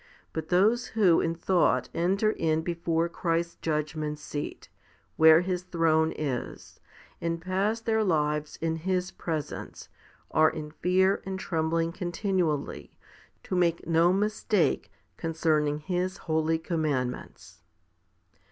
But those who in thought enter in before Christ's judgment seat, where His throne is, and pass their lives in His presence, are in fear and trembling continually, to make no mistake concerning His holy commandments.